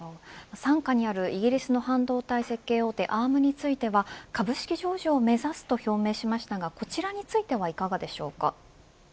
傘下にあるイギリスの半導体設計大手アームについては株式上場を目指すと表明しましたがこちらについてはいかがでしょうか。